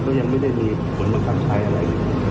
ก็ยังไม่ได้มีผลบังคับใช้อะไร